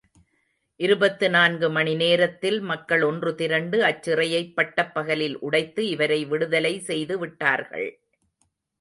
இருபத்து நான்கு மணிநேரத்தில் மக்கள் ஒன்று திரண்டு அச்சிறையைப் பட்டப் பகலில் உடைத்து இவரை விடுதலை செய்துவிட்டார்கள்.